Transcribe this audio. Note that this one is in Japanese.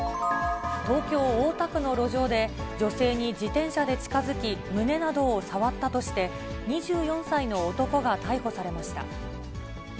東京・大田区の路上で女性に自転車で近づき、胸などを触ったとして、２４歳の男が逮捕されました。